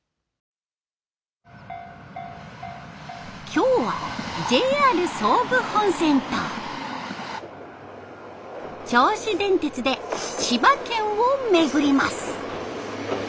今日はＪＲ総武本線と銚子電鉄で千葉県を巡ります。